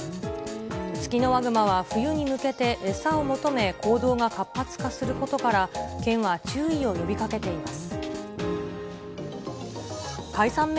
ツキノワグマは冬に向けて餌を求め行動が活発化することから、県は注意を呼びかけています。